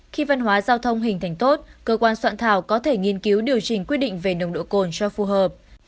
khi văn hóa giao thông hình thành tốt cơ quan soạn thảo có thể nghiên cứu điều chỉnh quy định về nồng độ cồn cho phù hợp